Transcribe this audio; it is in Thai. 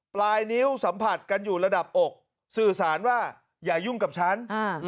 ปลายนิ้วสัมผัสกันอยู่ระดับอกสื่อสารว่าอย่ายุ่งกับฉัน